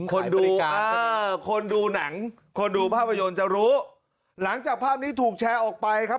คนดูเออคนดูหนังคนดูภาพยนตร์จะรู้หลังจากภาพนี้ถูกแชร์ออกไปครับ